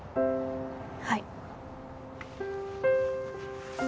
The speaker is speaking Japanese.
はい。